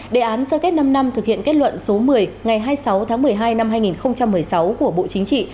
đề án sơ kết năm năm thực hiện kết luận số một mươi ngày hai mươi sáu tháng một mươi hai năm hai nghìn một mươi sáu của bộ chính trị